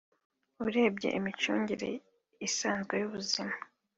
urebye imicungire isanzwe y’ubuzima